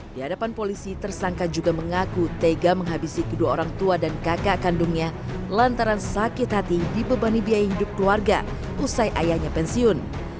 di hadapan polisi tersangka juga mengaku tega menghabisi kedua orang tua dan kakak kandungnya lantaran sakit hati dibebani biaya hidup keluarga usai ayahnya pensiun